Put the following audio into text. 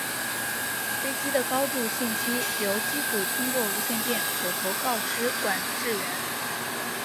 飞机的高度信息由机组通过无线电口头告知管制员。